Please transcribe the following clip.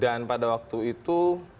dan pada waktu itu